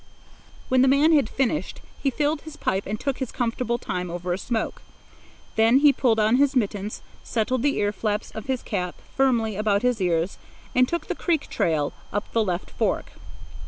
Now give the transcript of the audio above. When the man had finished, he filled his pipe and took his comfortable time over a smoke. Then he pulled on his mittens, settled the ear flaps of his cap firmly about his ears, and took the creek trail up the left fork.